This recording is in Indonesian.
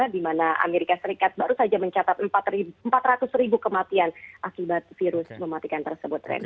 di mana amerika serikat baru saja mencatat empat ratus ribu kematian akibat virus mematikan tersebut